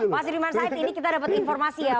pak sudirman said ini kita dapat informasi ya